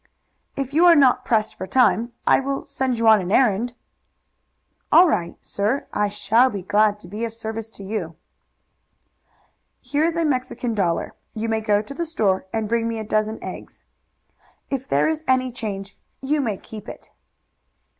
"If you are not pressed for time, I will send you on an errand." "All right, sir. I shall be glad to be of service to you." "Here is a Mexican dollar. You may go to the store and bring me a dozen eggs. If there is any change you may keep it."